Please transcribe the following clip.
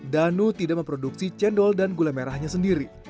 danu tidak memproduksi cendol dan gula merahnya sendiri